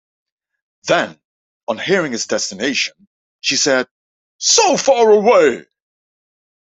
Then, on hearing his destination, she said, "So far away!"